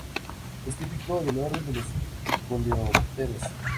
Es típico del orden de los coleópteros.